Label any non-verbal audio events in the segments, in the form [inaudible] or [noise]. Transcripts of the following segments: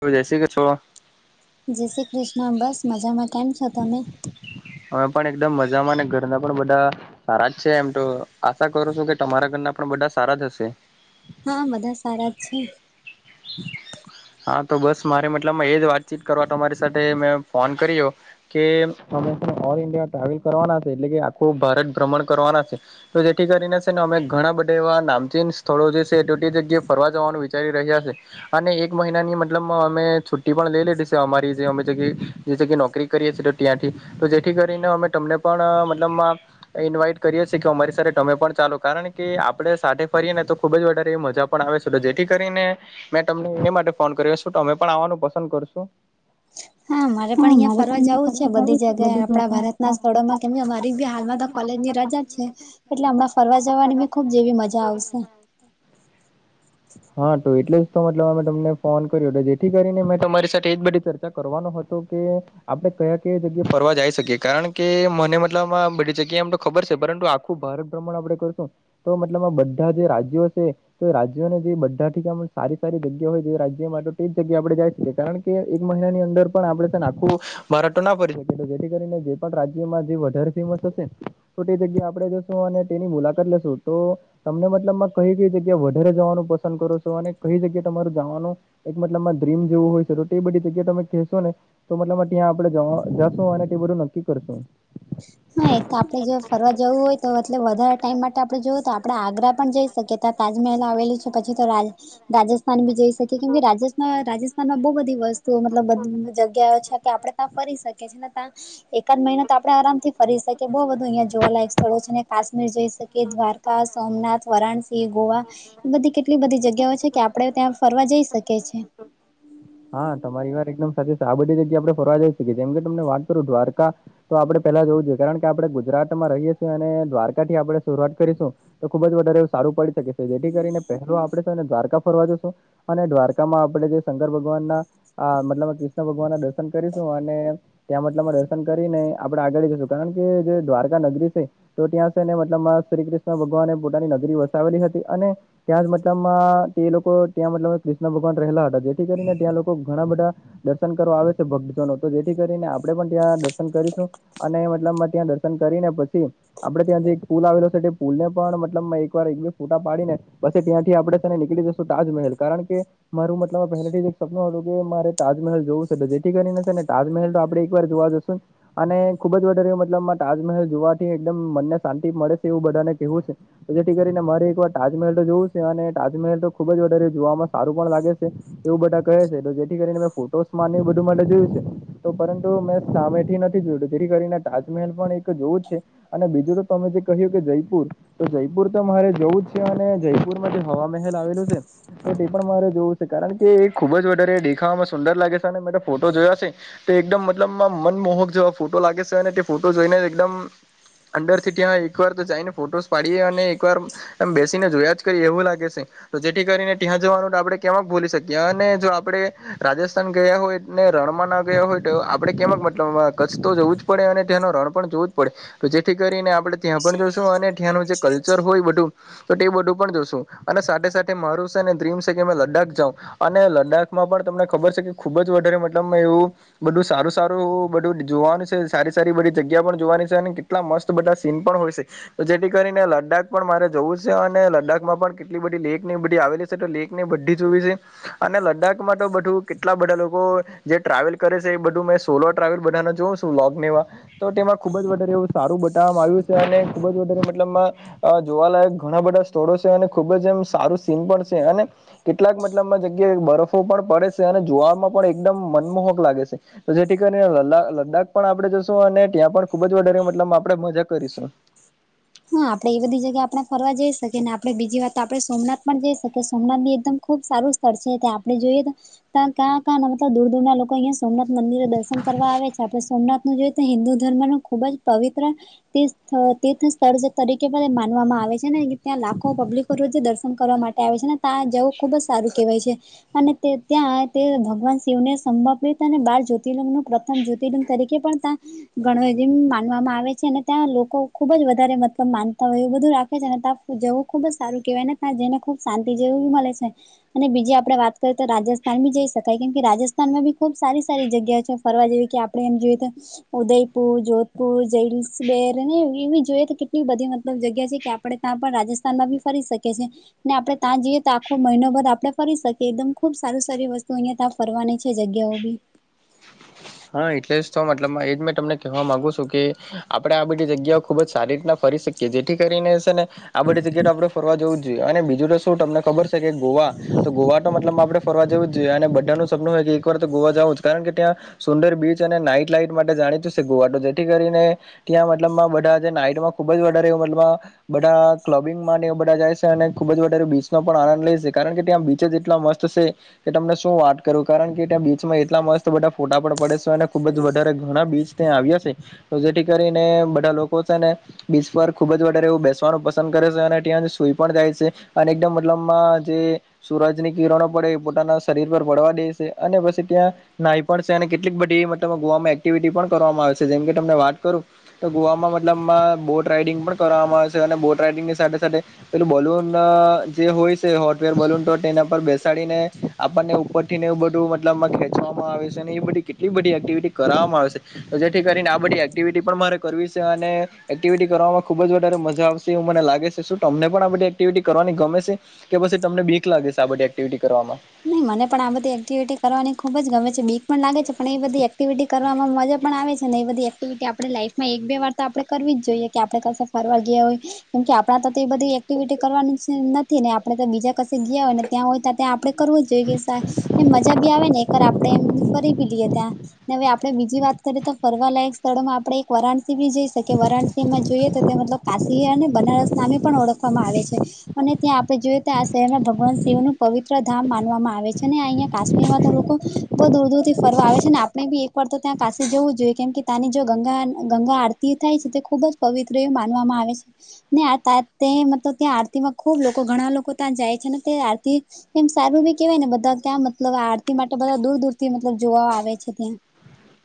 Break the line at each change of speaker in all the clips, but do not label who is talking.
Hello જય શ્રી કૃષ્ણ. [unintelligible]
જય શ્રી કૃષ્ણ બસ મજામાં કેમ છો તમે.
અમે પણ એકદમ મજામાં અને ઘરના પણ બધા સારા જ છે એમ તો આશા કરું છું કે તમારા ઘરના પણ બધા સારા જ હશે.
હા બધા સારા જ છે.
હા તો બસ મારે મતલબમાં એ જ વાતચીત કરવા તમારી સાથે મેં ફોન કર્યો. કે એમ અમે ઓલ ઇન્ડિયા ટ્રાવેલ કરવાના છે એટલે કે આખું ભારત ભ્રમણ કરવાના છે. તો જેથી કરીને છે ને અમે ઘણા બધા એવા નામચીન સ્થળો જે છે એ તો તે જગ્યાએ ફરવા જવાનું વિચારી રહ્યા છે. અને એક મહિનાની મતલબ માં અમે છુટ્ટી પણ લેય લીધી છે અમારી જે અમે જગ્યે જે જગ્યા નોકરી કરીએ છે તો ત્યાંથી તો જેથી કરીને અમે તમને પણ મતલબ માં ઈન્વાઈટ કરીએ છે કે અમારી સાથે તમે પણ ચાલો કારણ કે આપડે સાથે ફરીએ ને તો ખુબ જ વધારે મજા પણ આવે છે તો જેથી કરીને મે તમને એને માટે ફોન કર્યો શું તમે પણ આવવાનું પસંદ કરશો? [inaudible]
હા મારે પણ અહીંયા ફરવા જાવું છે બધી જગા આપણા ભારતના સ્થળોમાં કેમ કે અમારી બી હાલમાં તો કોલેજની રજા જ છે એટલે હમણાં ફરવા જવાની બી ખુબ જેવી મજા આવશે.
હા તો એટલે જ તો મતલબ મા મે તમને. ફોન કર્યો હતો જેથી કરીને મેં તમારી સાથે એ જ બધી ચર્ચા કરવાનો હતો કે આપડે કયા કયા જગ્યાએ ફરવા જાઈ શકીએ કારણ કે મને મતલબ માં બધી જગ્યાએ એમ તો ખબર છે પરંતુ આપ ખુબ ભારત ભ્રમણ આપણે કરશું. તો મતલબ માં બધા જે રાજ્યો છે તો રાજ્યોને જે બધા થી સારી સારી જગ્યા હોય જે રાજ જેમા તો તે જ જગ્યા આપણે જાય શકીએ કારણ કે એક મહિના ની અંદર પણ આપણે છે ને આખું મારા તો ના પરી શકે તો જેથી કરીને જે પણ રાજ્યમાં જે વધારે ફેમસ હશે. તો તે જગ્યા આપણે જશું અને તેની મુલાકાત લેશું તો તમને મતલબમાં કઈ કઈ જગ્યા વધારે જવાનું પસંદ કરો છો અને કઈ જગ્યા તમારું જાવાનું એક મતલબ માં ડ્રીમ જેવું હોય છે તો તે બધી જગ્યા તમે કહેશો ને તો મતલબ માં ત્યાં આપણે જશું અને તે બધું નક્કી કરશું.
હા એક તો આપણેે જો ફરવા જવું હોય તો એટલે વધારે ટાઈમ માટે આપણે જોવું તો આપણે આગ્રા પણ જઈશ- શક્યતા તાજમહેલ આવેલુ છે પછી તો રાજ રાજસ્થાન બી જઈ શકે ની રાજેસ માં રાજસ્થાનમાં બો બધી વસ્તુઓ મતલબ બધી જગ્યા છે કે આપડે તા ફરી શકે છે ને તા એકાદ મહિના તો આપણે આરામથી ફરી શકે બો બધું અહીંયા જોવાલાયક સ્થળો છે ને કાશ્મીર જઈ શકીએ દ્વારકા સોમનાથ વારાણસી ગોવા એ બધી કેટલી બધી જગ્યાઓ છે કે આપડે ત્યાં ફરવા જઈ શકે છે.
હા તમારી વાત એકદમ સાચી છે આ બધી જગ્યા આપણે ફરવા જઈ શકીએ જેમ કે તમને વાત કરું દ્વારકા તો આપણે પેલા જોવું જોઈએ કારણ કે આપણે ગુજરાતમાં રહીએ છીએ એટલે દ્વારકાથી આપણે શરૂઆત કરીશું તો ખુબ જ વધારે સારું પડી શકે છે જેથી કરીને પહેલા આપણે છેને દ્વારકા ફરવા જશું અને દ્વારકામાં આપણે જે શંકર ભગવાનના આ મતલબ કૃષ્ણ ભગવાનના દર્શન કરીશું અને ત્યાં મતલબ માં દર્શન કરીને આપણે આગળ જશું કારણ કે જે દ્વારકા નગરી છે તો ત્યાં છે ને મતલબ માં શ્રી કૃષ્ણ ભગવાને પોતાની નગરી વસાવેલી હતી અને ત્યાં જ મતલબમાં તે લોકો ત્યાં મતલબ કૃષ્ણ ભગવાન રહેલા હતા જેથી કરીને ત્યાં લોકો ઘણા બધા દર્શન કરવા આવે છે ભક્તજનો તો જેથી કરીને આપણે પણ ત્યાં દર્શન કરીશું. અને મતલબ માં ત્યાં દર્શન કરીને પછી આપણે ત્યાં જે એક પુલ આવેલો છે તે પુલને પણ મતલબ માં એક વાર એક બે ફોટા પાડીને પછી ત્યાંથી આપણે છેને નીકળી જશું તાજમહેલ કારણ કે મારો મતલબ પહેલે થી જ એક સપનું હતું કે મારે તાજમહેલ જોવો છે જેથી કરીને છે ને તાજમહેલ તો આપણે એક વાર જોવા જઈશુ અને ખુબ જ વધારે મતલબમાં તાજમહેલ જોવાથી એકદમ મનને શાંતિ મળે છે એવું બધાને કેવું છે. તો જેથી કરીને મારે એકવાર તાજમહેલ તો જોવો જ છે અને તાજમહેલ તો ખુબ જ વધારે જોવામાં સારો પણ લાગે છે. એવું બધા કહે છે તો જેથી કરીને મેં ફોટામાં બધું જોયું છે પરંતુ મેં સામેથી નથી જોયો જેથી કરીને તાજમહેલ એક વાર તો જોવો જ છે. અને બીજું તમે જે કહ્યું કે જયપુર જયપુર તો મારે જવું જ છે અને જયપુરમાં જે હવા મહેલ આવેલો છે તે પણ મારે જોવો છે કારણ કે એ ખુબ જ વધારે દેખાવમાં સુંદર લાગે છે અને મે એના ફોટો જોયા છે. તે એકદમ મનમોહક જેવા ફોટો લાગે છેને તે ફોટો જોઈને એકદમ અંંદરથી ત્યાં એકવાર જઈને ફોટા પાડીએ અને એકવાર આમ બેસીને જોયા જ કરીએ એવું લાગે છે. તો જેથી કરીને ત્યાં જવાનું તો આપણે કેમક ભૂલી શકીએ અને જો આપણે રાજસ્થાન ગયા હોય ને રણમાં ના ગયા હોય તોઆપણે કેમ મતલબમાં કચ્છ તો જવું જ પડે અને તેનો રણ પણ જોવું જ પડે તો જેથી કરીને આપણે ત્યાં પણ જશું અને ત્યાંનું જે કલ્ચર હોય એ બધું તો તે બધું પણ જોઈશું અને સાથે સાથે મારું છેને ડ્રીમ છે કે મેં લદાખ જાવ. અને લદાખમાં પણ તમને ખબર છે કે ખુબ જ વધારે મતલબ માં એવું બધું સારું સારું બધું જોવાનું છે, સારી સારી બધી જગ્યા પણ જોવાની છે અને કેટલા મસ્ત બધા સીન પણ હોય છે. તો જેથી કરીને લદાખ પણ મારે જવું છે અને લદાખમાં પણ કેટલી બધી લેક આવેલી છે. તો લેક બધી જ જોવી છે. અને લદાખમાં તો બધું કેટલા બધા લોકો જે ટ્રાવેલ કરે છે એ બધુ સોલો ટ્રાવેલ પણ કરે છે. જોશું લોગમાં તો ખૂબ જ વધારે સારું એવું બતાવવામાં આવ્યું છે અને ખૂબ જ વધારે મતલબ અ જોવાલાયક ઘણા બધા સ્થળો છે અને ખુબ જ એમ સારા સીન પણ છે અને કેટલીક મતલબ માં જગ્યાએ બરફો પણ પડે છે અને જોવામાં પણ એકદમ મનમોહક લાગે છે. તો જેથી કરીને લદાખ પણ આપણેે જશું અને ત્યાં પણ ખુબ જ વધારે પ્રમાણમાં આપણે મજા કરીશું.
હા આપણે એ બધી જગ્યા ફરવા જઈ શકીએ ને આપણે બીજે સોમનાથ પણ જઈ શકીએ સોમનાથ પણ એકદમ ખુબ સારું કરશે ત્યાં આપણે જઈએ તો ક્યા ક્યાંથી દૂર દૂર ના લોકો અહિયાં સોમનાથ મંદિરે દર્શન કરવા આવે છે આપણે સોમનાથ જોઈએ તો હિન્દુ ધર્મનું ખૂબ જ પવિત્ર તીર્થસ્થળ છે. [inaudible] તરીકે પણ એ માનવામાં આવે છે ને ત્યાં લાખો પબ્લિકો રોજ દર્શન કરવા માટે આવે છે ને ત્યાં જવું ખુબ જ સારું કહેવાય છે. અને ત્યાં ભગવાન શિવને સંભપિત અને બાર જ્યાતિલિંગનું પ્ર જ્યોતિલંગ તરીકે પણ ત્યાં [inaudible] એ માનવામાં આવે છે અને ત્યાં લોકો ખુબ જ વધારે માનતા હોય એવું બધું રાખે છે ને તો ત્યાં જવું ખુબ જ સારું કહેવાયને ત્યાં જઈએ ને ખુબ શાંતિ પણ મળે છે. અને બીજે આપણે વાત કરીએ તો રાજસ્થાન પણ જઈ શકાય છે કેમ કે રાજસ્થાનમાં પણ ખુબ સારી સારી જગ્યાઓ છે ફરવા જેવી કે આપણે આપણે એમ જોઈએ તો ઉદયપુર, જોધપુર, જલસબેર અને એ જોઈ કેટલી બધી મતલબ જગ્યા છે કે આપણે ત્યાં પણ રાજસ્થાનમાં બી ફરી શકીએ છીએ. ને આપણે ત્યાં જઈએ તો આખો મહિનો બાદ આપણે ફરી શકીએ એકદમ ખુબ સારી સારી વસ્તુ અહિયાં ત ફરવાની છે જગ્યાઓ બી.
હા એટલે જ તો મતલબ એજ મેં તમને કહેવા માંગુ છું કે આપણે આ બધી જગ્યાઓ ખુબ જ સારી રીતના ફરી શકીએ કે જેથી કરીને છે ને બધી આપણે ફરવા જવું જ જોઈએ અને બીજું તો તમને ખબર છે કે ગોવા. તો ગોવા તો મતલબ આપડે ફરવા જેવું અને બધાનું સપનું હોય કે એક વાર તો ગોવા જાવું જ કારણ કે ત્યાં સુંદર બીચ અને નાઈટ લાાઈટ માટે જાણીતું છે ગોવા તો જેથી કરીને ત્યાં મતલબમાં બધા છે નાઈટમાં ખુબ જ વધારે મતલબમાં બધા ક્લબિંગ માટે બધા જાય છે. અને ખુબ જ વધારે બીચનો પણ આનંદ લેશે કારણ કે ત્યાં બીચ જ એટલા મસ્ત કે તમને શું વાત કરું કારણ કે ત્યાં બીચમાં એટલા મસ્ત બા ફોટા પણ પડે છે અને ખુબ જ વધારે ઘણા બીચ ત્યાં આવ્યા છે. તો જેથી કરીને બધા લોકો છે ને બીચ પર ખુબ જ વધારે એવું બેસવાનું પસંદ કરે છે અને ત્યાં સુઈ પણ થાય છે. અને એકદમ મતલબમાં જે સુરજની પડે એ શરીર પર પડવા દે છે. અને પછી ત્યાં નાય પણ છે અને કેટલીક બધી મતલબ ગોવામાં એક્ટિવિટી પણ કરવામાં આવે છે. જેમ કે તમને વાત કરું તો ગોવામાં મતલબમાં બોટ રાઈડિંગ પણ કરવામાં આવે છે. અને રાઈડિંગની સાથે પેલું બલૂન જે હોય છે. હોર્ટવેર બલૂન તો તેના પર બેસાડીને આપણને ઉપરથી ને એવું બધું મતલબમાં ખેંચવામાં આવે છે, ને એ બધી કેટલી બધી એક્ટિવિટી કરાવવામાં આવે છે. તો જેથી કરીને આ બધી એક્ટિવિટી પણ મારે કરવી છે, અને એક્ટિવિટી કરવામાં ખુબ જ વધારે મજા આવશે એવું મને લાગે છે. શું તમને પણ આ બધી એક્ટિવિટી કરવાની ગમે છે? કે પછી તમને બીખ લાગે છે આ બધી એક્ટિવિટી કરવામાં?
નહી મને પણ આ બધી એક્ટિવિટી કરવાની ખુબ જ ગમે છે. બીક પણ લાગે છે, પણ એ બધી એક્ટિવિટી કરવામાં મજા પણ આવે છે ને એ બધી એક્ટિવિટી આપણે લાઈફમાં એક બે વાર તો આપણે કરવી જ જોઈએ, કે આપણે કશ ફરવા ગયા હોય કેમ કે આપણા તો એ બધી એક્ટિવિટી કરવાની નથી ને આપણેે તો બીજા ક ગયા હોય ત્યાં હોય ત્યાં આપણે કરવું જ જોઈએ સાહે એ મજા ભી આવે ને એકર આપણે એમ ફરી બી લઈએ ત્યાં હવે આપણે બીજી વાત કરીએ તો ફરવાલાયક સ્થળોમાં આપડે એક વારાણસી બી જઈ શકીએ. વારાણસીમાં જોઈએ તો તે મતલબ કાશી અને બનારસ નામે પણ ઓળખવામાં આવે છે. અને ત્યાં આપણે જોઈએ તો આ શહેરમાં ભગવાન શિવનું પવિત્ર ધામ માનવામાં આવે છે, અને અહિયાં કાશ્મીરમાં તો લોકો બહુ દૂર દૂર થી ફરવા આવે છે. અને આપણે બી પડ તો ત્યાં કાશી જવું જ જોઈએ કેમ કે ત્યાંની જો ગંગા ગંગા આરતી થાય છે, તે ખૂબ જ પવિત્ર એવું માનવામાં આવે છે. ને મતલબ ત્યાં આરતીમાં ખુબ લોકો ઘણા લોકો ત્યાં જાય છે ને તે આરતી એમ સારું બી કેહેવાય ને બધા ક્યાં મતલબ આરતી માટે બધા દૂર દૂર થી મતલબ જોવા આવે છે ત્યાં.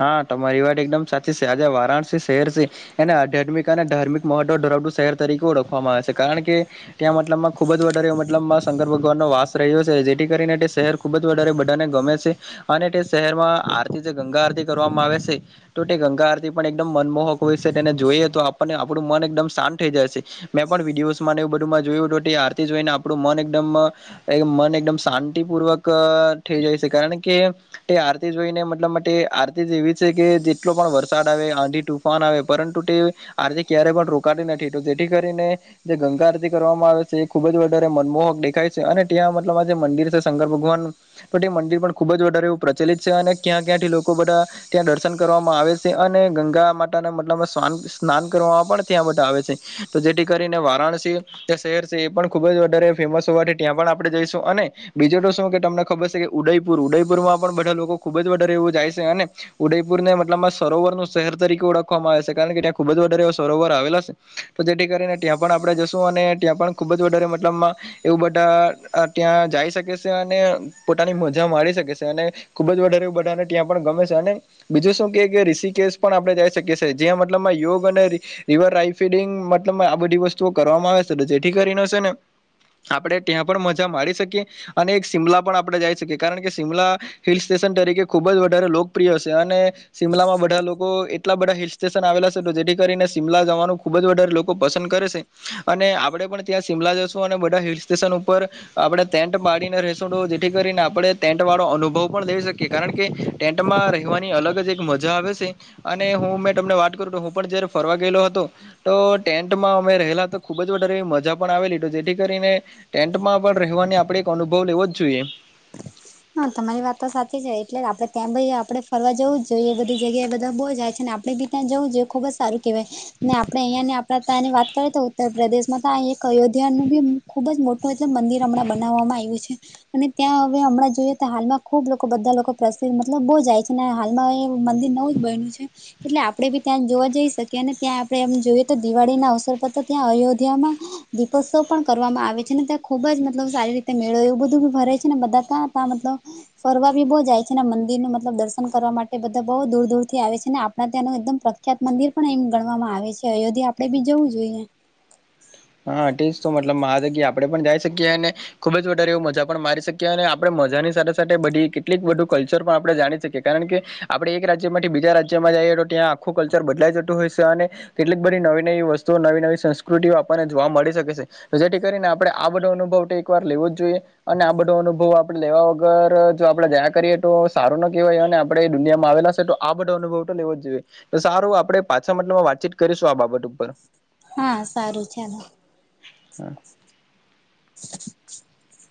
હા તમારી વાત એકદમ સાચી છે. આજે વારાણસી શહેર છે, એને આધ્યાત્મિક અને ધાર્મિક મહત્વ ધરાવડું શહેર તરીકે ઓળખવામાં આવે છે. કારણ કે ત્યાં મતલબમાં ખુબ જારે મતલબ શંર [unintelligible] ભગવાન નો વાસ રહ્યો છે જેથી કરીને તે શહેર ખુબ જ વધારે બધાને ગમે છે. અને તે શહેરમાં આરતી જે ગંગા આરતી કરવામાં આવે છે. તો તે ગંગા આરતી પણ એકદમ મનમોહક હોય છે. તેને જોઈએ તો આપણને આપણું મન એકદમ શાંત થઈ જાયશે. મેં પણ વિડિયોઝમાં ને એવું બધુંમાં જોયું હતું. તે આરતી જોઈને આપણું મન એકદમ એટલે મન એકદમ શાંતિપૂર્વક અહ થઈ જાય છે. કારણ કે તે આરતી જોઈને મતલબ માટે આર તી જેવી છે કે જેટલો પણ વરસાદ આવે, આંધી તુફાન આવે પરંતુ તે આરતી ક્યારેય પણ રોકાતી નથી. તો જેથી કરીને જે ગંગા આરતી કરવામાં આવે છે એ ખુબ જ વધારે મનમોહક દેખાય છે. અને ત્યાં મતલબ આ જે મંદિર છે શંકર ભગવાન પણ એ મંદિર પણ ખુબ જ વધારે એવું પ્રચલિત છે. અને ક્યાં ક્યાં થી લોકો બધા ત્યાં દર્શન કરવામાં આવે છે. અને ગંગા માતા ના મતલબ સ્ન સ્નાન કરવામાં પણ ત્યાં બધા આવે છે. તો જેથી કરીને વારાણસી જે શહેર છે એ પણ ખૂબ જ વધારે ફેમસ હોવાથી ત્યાં પણ આપણે જઈશું અને બીજો તો શું કે તમને ખબર છે કે ઉદયપુર ઉદયપુર માં બધા લોકો ખુબ જ વધારે એવું છે અને ઉદયપુર ને મતલબ આ સરોવર નું શહેર તરીકે ઓળખવામાં આવે છે કારણ કે ત્યાં ખુબ જ વધારે એવા સરોવર આવેલા છે. તો જેથી કરીને ત્યાં આપણે જશું અને ત્યાં પણ જ વધારે મતલબમાં એવું બધા અહ ત્યાં જઈ શકે છે અને પોતાની મજા મારી શકે છે અને ખુબ જ વધારે એ બધાને ત્યાં પણ ગમે અને બીજું શું કે ઋષિકેશ પણ આપડણે જઈ શકીએ છીએ જેયાં મતલબમાં યોગ અને રી રિવર રાઈફીડિંગ મતલબ આ બધી વસ્તુઓ કરવામાં આવે છે તો જેથી કરીને હશે ને આપડે ત્યાં પણ મજા મારી શકીએ અને એક શિમલા પણ આપણે જઈ શકીએ કારણ કે શિમલા હિલ સ્ટેશન તરીકે ખુબ જ વધારે લોગ પ્રિય છે અને શિમલામાં બધા લોકો એટલા બધા હિલ સ્ટેશન આવેલા છે તો જેથી કરીને શિમલા જવાનું ખુબ જ વધારે લોકો પસંદ કરે છે. અને આપડે પણ ત્યાં જશું અને બધા હિલ સ્ટેશન ઉપર આપડે ટેન્ટ પાડીને રસ જેથી કરીને આપણે ટેન્ટ વાળો અનુભવ પણ દઈ શકીએ કારણ કે ટેન્ટ તોમાં રહેવાની અલગ જ એક મજા આવે છે. અને હું મેં તમને વાત કરું તો હું પણ જયારે ફરવા ગયેલો હતો તો ટેન્ટમાં અમે રહેલા તો ખુબ જ વધારેવી મજા પણ આવેલી જેથી કરીને ટેન્ટમાં પણ રહેવાની આપડે એક અનુભવ લેવો જ જોઈએ.
હા તમારી વાત તો સાચી છે એટલે આપડે ત્યાં ભાઈ આપડે ફરવા જવું જ જોઈએ એ બધી જગ્યા એ બધા બહુ જાય છે ને આપડે બી- ત્યાં જવું જો ખુબ જ સારું કેહેવાય. ને આપડે અહિયાયા ની આપ તની વાત કરીએ તો ઉત્તર પ્રદેશ માં તો એક અયોધ્યા નું બી ખુબ જ મોટું એટલ મંદિર હમણાં બનાવવામાં આવ્યું છે અને ત્યાં હવે હમણાં જોઈએ તો હાલમાં ખૂબ લોકો બધા લોકો પ્રસિદ્ધ મતલબ બહુ જાય છે ને હાલમાં એ મંદિર નવું જ બન્યું છે. એટલે આપડે બી ત્યાં જોવા જઈ શકીએ અને ત્યાં આપડે એમ જોઈએ તો દિવાળી ના અવસર પર તો ત્યાં અયોધ્યામાં દીપોત્સવ પણ કરવામાં આવે છે ને ત્યાં ખુબ જ મતલબ સારી રીતે મેળો એવું બધું બી ભરે છે ને બધા ત્યાં તા મતલબ ફરવા બી બહુ જાય છે મંદિરનું મતલબ દર્શન કરવા માટે બધા બહુ દૂર દૂરથી આવે છે ને આપણા ત્યાંનું એકદમ પ્ર પ્રખ્યાત મંદિર પણ એમ ગણવામાં આવે છે. અયોધ્યા આપડે બી જવું જોઈએ.
હા તેજ તો મતલબ મહાદગી આપડે પણ જઈ શકીએ અને ખુબ જ વધારે એવ મજા પણ મારી શકીએ અને આપડે મજાની સાથે સાથે બધી કેટલીક બધું કલ્ચર પણ આપડે જાણી શકીએ કારણ કે આપડે એક રાજ્યમાં બીજા રાજ્યમાં જઈએ તો ત્યાં આખું કલ્ચર બદલાઈ જતું હોય છે અને કેટલીક બધી નવી નવી વસ્તુઓ નવી નવી સંસ્કૃતિઓ આપણને જોવા મળી શકે છે. જેથી કરીને આપડે આ બધો અનુભવ તો એક વાર લેવો જ જોઈએ અને આ બધો અનુભવ આપડે લેવા વગર જો આપડે જયા કરીએ તો સારો ન કહેવાય અને આપડે દુનિયામાં આવેલા છે તો આ બધો અનુભવ તો લેવો જ જોઈએ તો સારું આપડે પાછા માટેમાં વાતચીત કરીશું આ બાબત ઉપર.
હા સારું ચાલો
હા.
[inaudible]